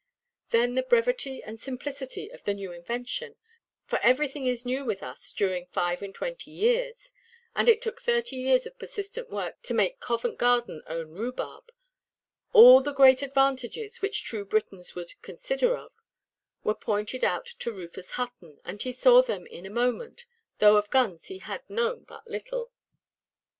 Then the brevity and simplicity of the new invention—for everything is new with us during five–and–twenty years; and it took thirty years of persistent work to make Covent Garden own rhubarb—all the great advantages, which true Britons would "consider of," were pointed out to Rufus Hutton, and he saw them in a moment, though of guns he had known but little.